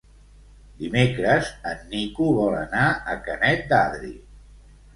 Dimecres en Nico vol anar a Canet d'Adri.